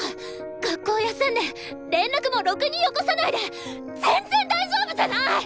学校休んで連絡もろくによこさないで全然大丈夫じゃない！